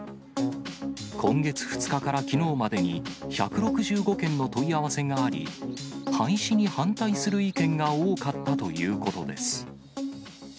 今月２日からきのうまでに１６５件の問い合わせがあり、廃止に反対する意見が多かったということです。